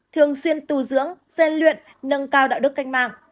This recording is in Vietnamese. thường xuyên tù dưỡng dên luyện nâng cao đạo đức canh mạng